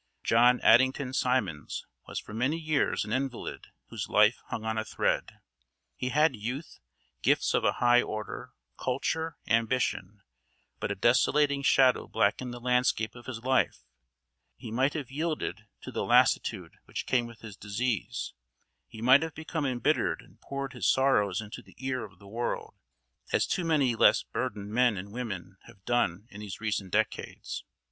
John Addington Symonds was for many years an invalid whose life hung on a thread. He had youth, gifts of a high order, culture, ambition, but a desolating shadow blackened the landscape of his life; he might have yielded to the lassitude which came with his disease; he might have become embittered and poured his sorrows into the ear of the world, as too many less burdened men and women have done in these recent decades.